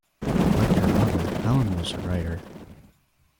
Like her mother, Helen was a writer.